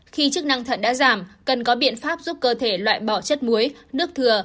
khi chức năng thận đã giảm cần có biện pháp giúp cơ thể loại bỏ chất muối nước thừa